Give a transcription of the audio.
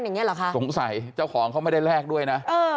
อย่างนี้เหรอคะสงสัยเจ้าของเขาไม่ได้แลกด้วยนะเออ